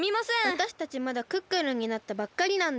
わたしたちまだクックルンになったばっかりなんです。